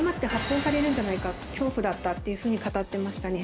と恐怖だったっていうふうに語っていましたね。